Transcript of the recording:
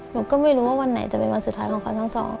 หนูก็ไม่รู้ว่าวันไหนจะเป็นวันสุดท้ายของเขาทั้งสอง